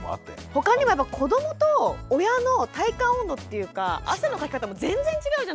他にも子どもと親の体感温度っていうか汗のかき方も全然違うじゃないですか。